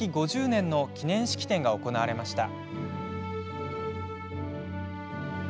５０年の記念式典が行われました。